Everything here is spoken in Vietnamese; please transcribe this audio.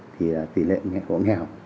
thì tỉ lệ nghèo